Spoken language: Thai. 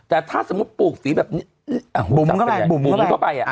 แต่ถ้าสมมุติปลูกฝีแบบนี้อ่ะบุ๋มก็ไปบุ๋มก็ไปอ่ะ